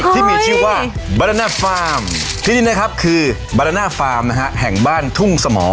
ที่มีชื่อว่าบารณาฟาร์มที่นี่นะครับคือบารณาฟาร์มนะฮะแห่งบ้านทุ่งสมอ